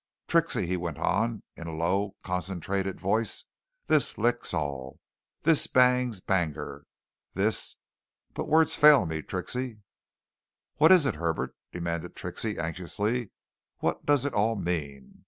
"Trixie!" he went on in a low, concentrated voice. "This licks all! This bangs Banagher! This but words fail me, Trixie!" "What is it, Herbert?" demanded Trixie anxiously. "What does it all mean?"